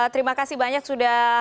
terima kasih banyak sudah